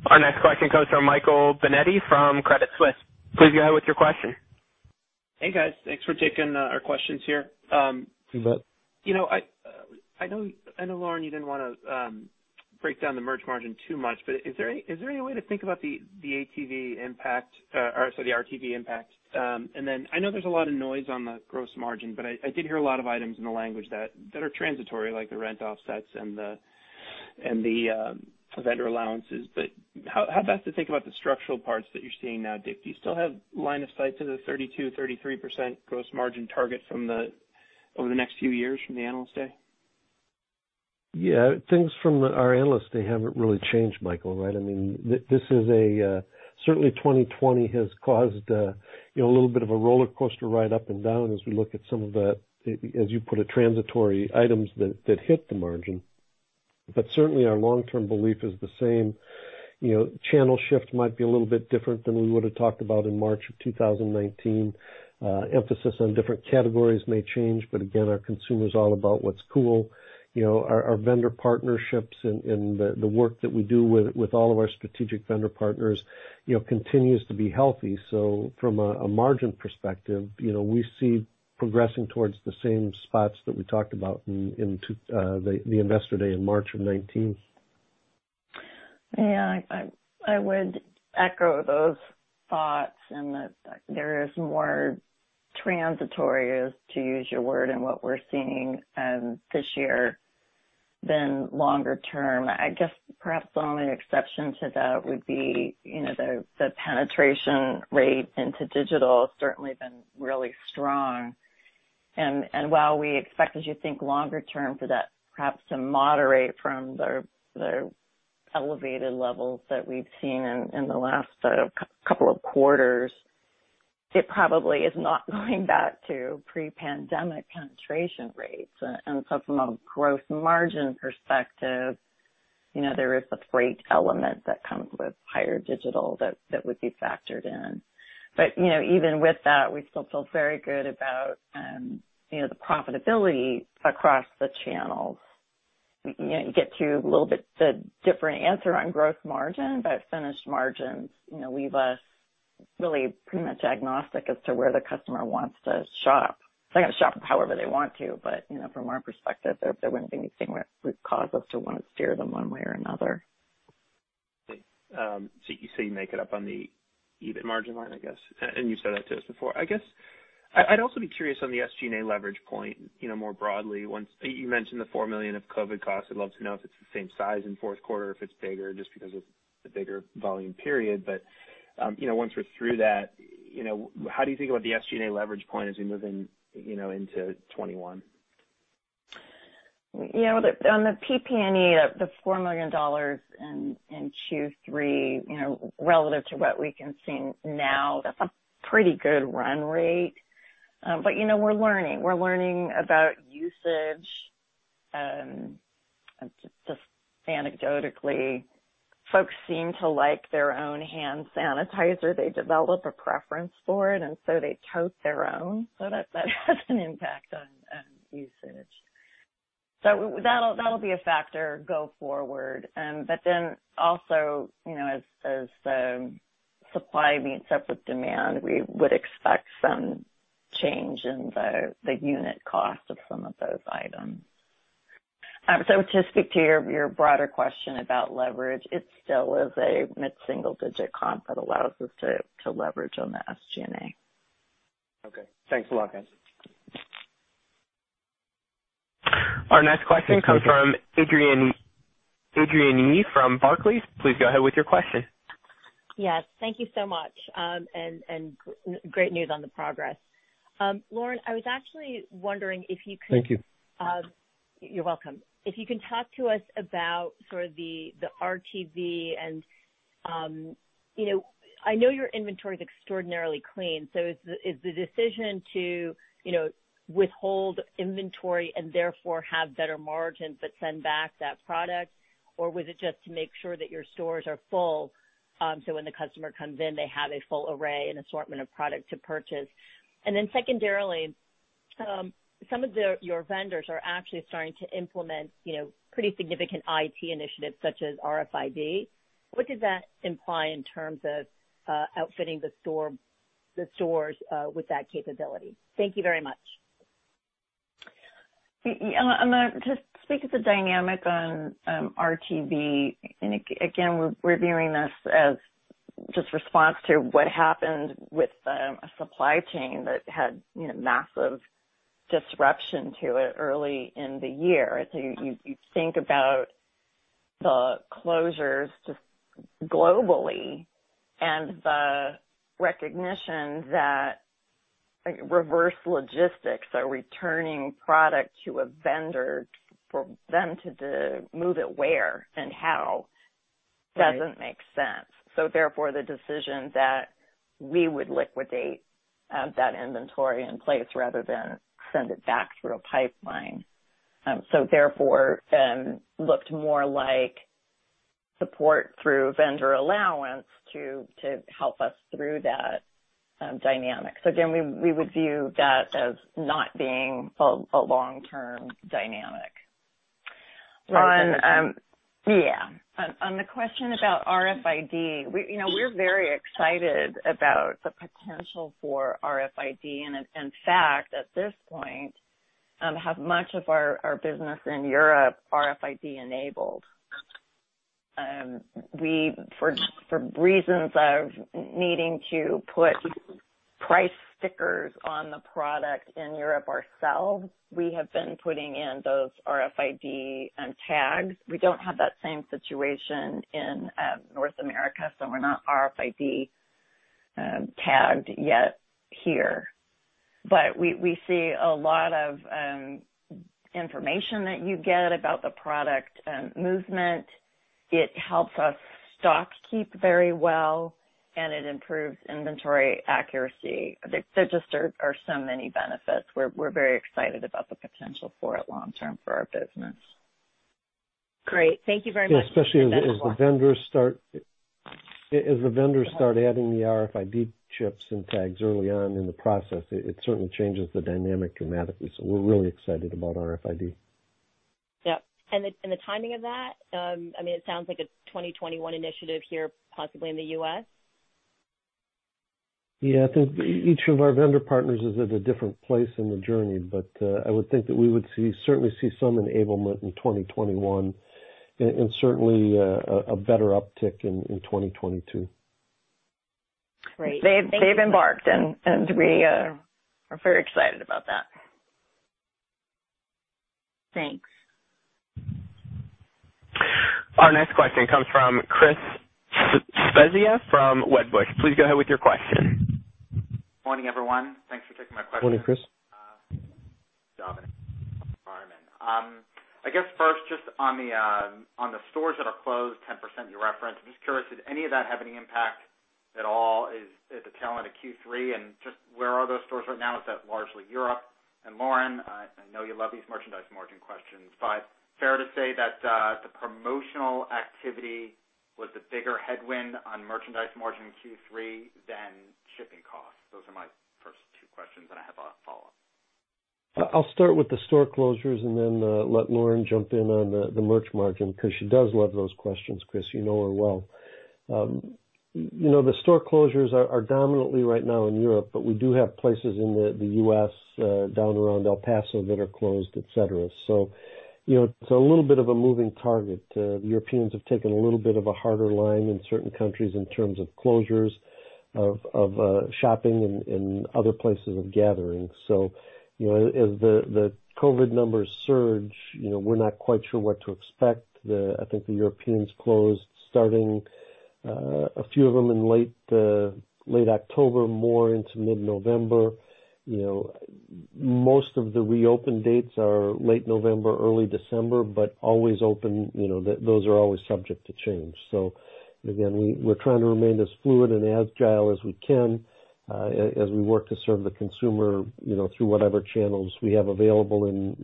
Our next question comes from Michael Binetti from Credit Suisse. Please go ahead with your question. Hey, guys. Thanks for taking our questions here. You bet. I know, Lauren, you didn't want to break down the merch margin too much, but is there any way to think about the ATV impact, or sorry, the RTV impact? I know there's a lot of noise on the gross margin, but I did hear a lot of items in the language that are transitory, like the rent offsets and the vendor allowances. How best to think about the structural parts that you're seeing now, Dick? Do you still have line of sight to the 32%-33% gross margin target over the next few years from the Analyst Day? Yeah. Things from our Analysts Day haven't really changed, Michael, right? Certainly 2020 has caused a little bit of a roller coaster ride up and down as we look at some of the, as you put it, transitory items that hit the margin. Certainly our long-term belief is the same. Channel shift might be a little bit different than we would have talked about in March of 2019. Emphasis on different categories may change, but again, our consumer is all about what's cool. Our vendor partnerships and the work that we do with all of our strategic vendor partners continues to be healthy. From a margin perspective, we see progressing towards the same spots that we talked about in the Investor Day in March of 2019. Yeah. I would echo those thoughts. That there is more transitory, to use your word, in what we're seeing this year than longer term. I guess perhaps the only exception to that would be the penetration rate into digital has certainly been really strong. While we expect, as you think longer term, for that perhaps to moderate from the elevated levels that we've seen in the last couple of quarters, it probably is not going back to pre-pandemic penetration rates. From a gross margin perspective, there is a freight element that comes with higher digital that would be factored in. Even with that, we still feel very good about the profitability across the channels. You get to a little bit different answer on gross margin, but finished margins, we've really pretty much agnostic as to where the customer wants to shop. They're going to shop however they want to, but from our perspective, there wouldn't be anything that would cause us to want to steer them one way or another. You make it up on the EBIT margin line, I guess. You've said that to us before. I guess I'd also be curious on the SG&A leverage point, more broadly. You mentioned the $4 million of COVID costs. I'd love to know if it's the same size in fourth quarter, if it's bigger just because of the bigger volume period. Once we're through that, how do you think about the SG&A leverage point as we move into 2021? On the PP&E, the $4 million in Q3, relative to what we can see now, that's a pretty good run rate. We're learning. We're learning about usage. Just anecdotally, folks seem to like their own hand sanitizer. They develop a preference for it, they tote their own. That has an impact on usage. That'll be a factor go forward. As supply meets up with demand, we would expect some change in the unit cost of some of those items. To speak to your broader question about leverage, it still is a mid-single-digit comp that allows us to leverage on the SG&A. Okay. Thanks a lot, guys. Our next question comes from Adrienne Yih from Barclays. Please go ahead with your question. Yes. Thank you so much, and great news on the progress. Lauren, I was actually wondering if you could. Thank you. You're welcome. If you can talk to us about sort of the RTV and I know your inventory is extraordinarily clean, so is the decision to withhold inventory and therefore have better margins but send back that product, or was it just to make sure that your stores are full, so when the customer comes in, they have a full array and assortment of product to purchase? Secondarily, some of your vendors are actually starting to implement pretty significant IT initiatives such as RFID. What does that imply in terms of outfitting the stores with that capability? Thank you very much. To speak to the dynamic on RTV. Again, we're viewing this as just response to what happened with a supply chain that had massive disruption to it early in the year. You think about the closures just globally and the recognition that reverse logistics are returning product to a vendor for them to move it where and how doesn't make sense. Therefore, the decision that we would liquidate that inventory in place rather than send it back through a pipeline. Therefore, looked more like support through vendor allowance to help us through that dynamic. Again, we would view that as not being a long-term dynamic. Great. Yeah. On the question about RFID, we're very excited about the potential for RFID. In fact, at this point, have much of our business in Europe RFID enabled. For reasons of needing to put price stickers on the product in Europe ourselves, we have been putting in those RFID tags. We don't have that same situation in North America, so we're not RFID tagged yet here. We see a lot of information that you get about the product movement. It helps us stock keep very well, and it improves inventory accuracy. There just are so many benefits. We're very excited about the potential for it long term for our business. Great. Thank you very much. Especially as the vendors start adding the RFID chips and tags early on in the process, it certainly changes the dynamic dramatically. We're really excited about RFID. Yep. The timing of that, it sounds like a 2021 initiative here, possibly in the U.S.? Yeah, I think each of our vendor partners is at a different place in the journey. I would think that we would certainly see some enablement in 2021 and certainly a better uptick in 2022. Great. Thank you. They've embarked, and we are very excited about that. Thanks. Our next question comes from Chris Svezia from Wedbush. Please go ahead with your question. Morning, everyone. Thanks for taking my question. Morning, Chris. I guess first, just on the stores that are closed, that are closed, 10% you referenced, I'm just curious, did any of that have any impact at all in the sale of Q3? And just where are those stores right now? Is that largely Europe? And Lauren, I know you love these merchandise margin questions, but is it fair to say that the promotional activity was the bigger headwind on merchandise margin in Q3 than shipping costs? Those are my first two questions, and I have a follow up. I'll start with the store closures and then let Lauren jump in on the merchandise margin, because she does love those questions, becuase you know her well. You know, the store closures are dominantly right now in Europe. But we do have places in the U.S. down around El Paso that are closed etc. So, you know, it's a little bit of a harder line in certain countries in terms of closures of shopping and other places of gathering. So you know, as the COVID numbers surge, we're not quite sure what to expect. I think the Europeans closed starting, a few of them in late October, more into mid-November. Most of the reopen dates are late November, early December, but always open, those are always subject to change. So again, we're trying to remain as fluid and agile as we can as we work to serve the consumer. Through whatever channels we have availble.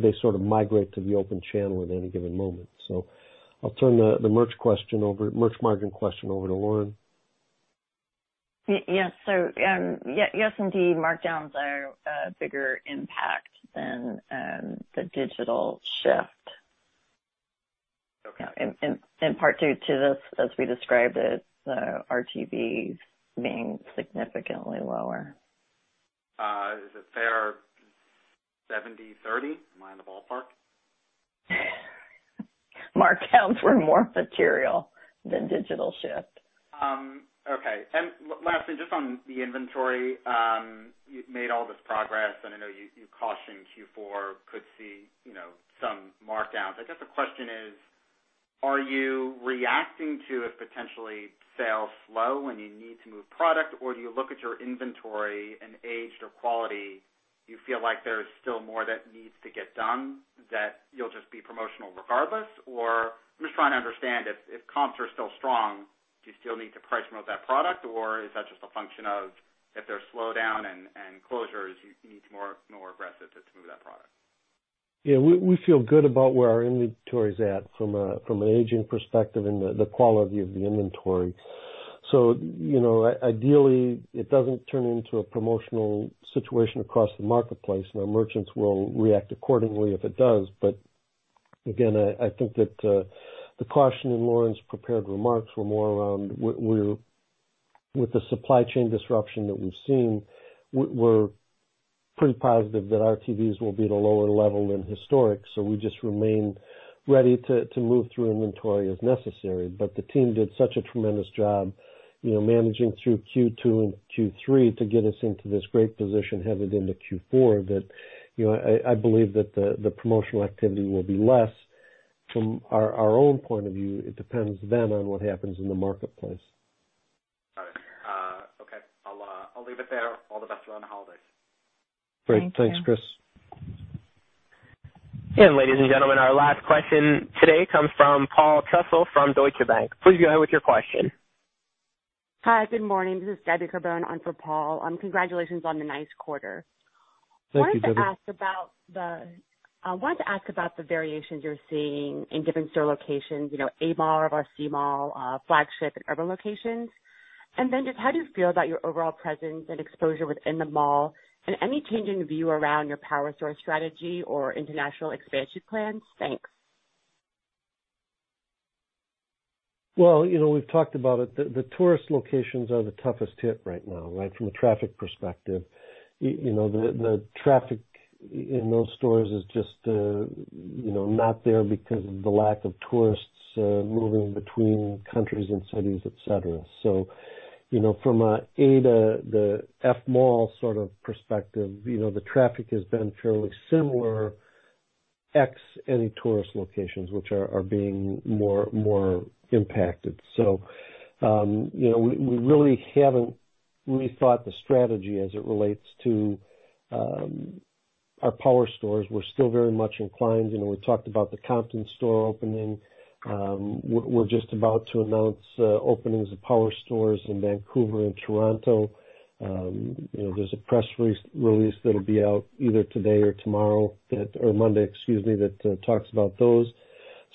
They sort of migrate to the open channel at any given moment. I'll turn the merchandise margin question over to Lauren. Yes, indeed, markdowns are a bigger impact than the digital shift Okay. In part due to this, as we described it, RTVs being significantly lower. Is it fair, 70/30? Am I in the ballpark? Markdowns were more material than digital shift. Okay. Lastly, just on the inventory, you've made all this progress, and I know you cautioned Q4 could see some markdowns. I guess the question is, are you reacting to a potentially sales slow and you need to move product, or do you look at your inventory and age or quality, you feel like there's still more that needs to get done, that you'll just be promotional regardless? I'm just trying to understand if comps are still strong, do you still need to price promote that product, or is that just a function of if there's slowdown and closures, you need to be more aggressive to move that product? We feel good about where our inventory is at from an aging perspective and the quality of the inventory. Ideally, it doesn't turn into a promotional situation across the marketplace. Our merchants will react accordingly if it does. Again, I think that the caution in Lauren's prepared remarks were more around with the supply chain disruption that we've seen, we're pretty positive that RTVs will be at a lower level than historic. We just remain ready to move through inventory as necessary. The team did such a tremendous job managing through Q2 and Q3 to get us into this great position headed into Q4 that I believe that the promotional activity will be less from our own point of view. It depends then on what happens in the marketplace. Got it. Okay. I'll leave it there. All the best around the holidays. Great. Thank you. Thanks, Chris. Ladies and gentlemen, our last question today comes from Paul Trussell from Deutsche Bank. Please go ahead with your question. Hi, good morning. This is Gabriella Carbone on for Paul. Congratulations on the nice quarter. Thank you, Debbie. I wanted to ask about the variations you're seeing in different store locations, A mall versus C mall, flagship and urban locations. How do you feel about your overall presence and exposure within the mall, and any change in view around your power store strategy or international expansion plans? Thanks. Well, we've talked about it. The tourist locations are the toughest hit right now, from a traffic perspective. The traffic in those stores is just not there because of the lack of tourists moving between countries and cities, et cetera. From an A to the F mall sort of perspective, the traffic has been fairly similar, X any tourist locations which are being more impacted. We really haven't rethought the strategy as it relates to our power stores. We're still very much inclined, we talked about the Compton store opening. We're just about to announce openings of power stores in Vancouver and Toronto. There's a press release that'll be out either today or tomorrow, or Monday, excuse me, that talks about those.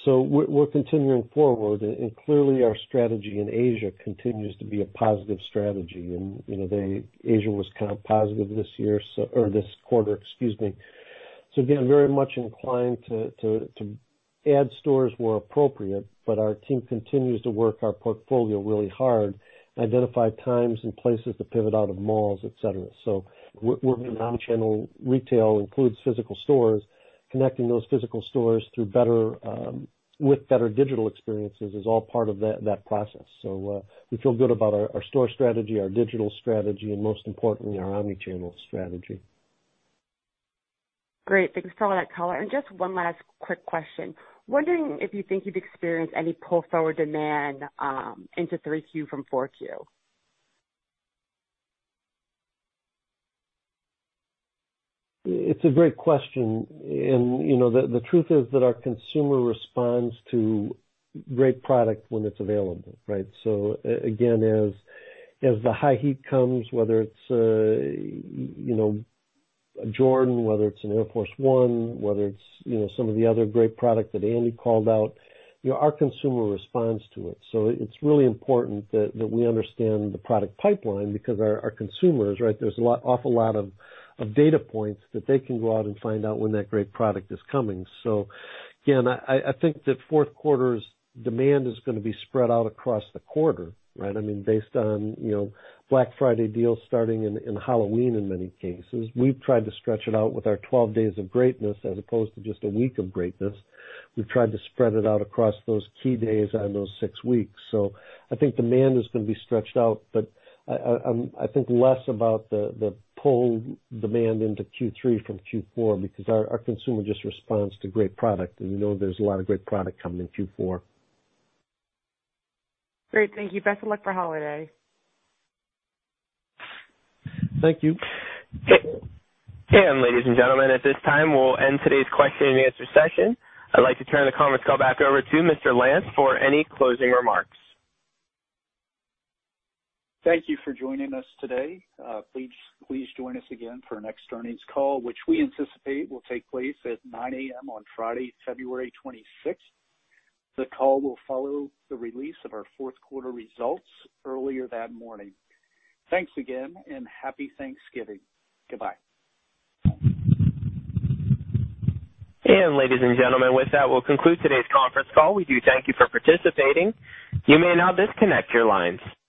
We're continuing forward, clearly our strategy in Asia continues to be a positive strategy, Asia was kind of positive this year, or this quarter, excuse me. Again, very much inclined to add stores where appropriate, our team continues to work our portfolio really hard, identify times and places to pivot out of malls, et cetera. Working omni-channel retail includes physical stores, connecting those physical stores with better digital experiences is all part of that process. We feel good about our store strategy, our digital strategy, and most importantly, our omni-channel strategy. Great. Thanks for all that color. Just one last quick question. Wondering if you think you've experienced any pull-forward demand into Q3 from Q4? It's a great question. The truth is that our consumer responds to great product when it's available, right? Again, as the high heat comes, whether it's a Jordan, whether it's an Air Force 1, whether it's some of the other great product that Andy called out, our consumer responds to it. It's really important that we understand the product pipeline because our consumers, there's an awful lot of data points that they can go out and find out when that great product is coming. Again, I think that fourth quarter's demand is going to be spread out across the quarter. Based on Black Friday deals starting in Halloween in many cases. We've tried to stretch it out with our 12 Days of Greatness as opposed to just a Week of Greatness. We've tried to spread it out across those key days and those six weeks. I think demand is going to be stretched out, but I think less about the pulled demand into Q3 from Q4 because our consumer just responds to great product, and we know there's a lot of great product coming in Q4. Great. Thank you. Best of luck for holiday. Thank you. Ladies and gentlemen, at this time we'll end today's question and answer session. I'd like to turn the conference call back over to Mr. Lance for any closing remarks. Thank you for joining us today. Please join us again for our next earnings call, which we anticipate will take place at 9:00 A.M. on Friday, February 26th. The call will follow the release of our fourth quarter results earlier that morning. Thanks again, and Happy Thanksgiving. Goodbye. Ladies and gentlemen, with that, we'll conclude today's conference call. We do thank you for participating. You may now disconnect your lines.